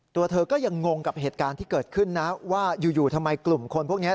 ตัวเธอก็ยังงงกับเหตุการณ์ที่เกิดขึ้นนะว่าอยู่ทำไมกลุ่มคนพวกนี้